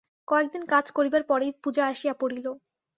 কয়েকদিন কাজ করিবার পরেই পূজা আসিয়া পড়িল।